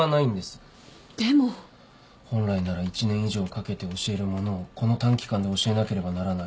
本来なら１年以上かけて教えるものをこの短期間で教えなければならない。